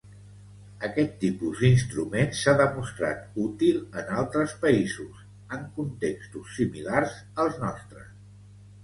Aquest tipus d'instrument s'ha demostrat útil en altres països, en contextos similars als nostres.